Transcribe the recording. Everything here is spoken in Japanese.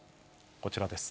こちらです。